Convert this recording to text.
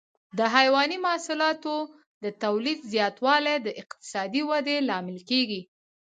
د حيواني محصولاتو د تولید زیاتوالی د اقتصادي ودې لامل کېږي.